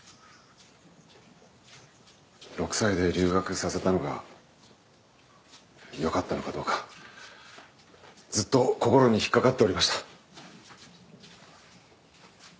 ６歳で留学させたのがよかったのかどうかずっと心に引っかかっておりました。